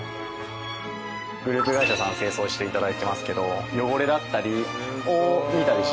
グループ会社さん清掃して頂いてますけど汚れだったりを見たりしますね。